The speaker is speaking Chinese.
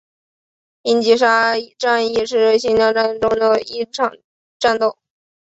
英吉沙战役是新疆战争中的一场战斗。